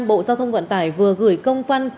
bộ giao thông vận tải vừa gửi công văn